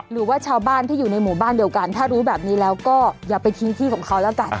หรือว่าชาวบ้านที่อยู่ในหมู่บ้านเดียวกันถ้ารู้แบบนี้แล้วก็อย่าไปทิ้งที่ของเขาแล้วกัน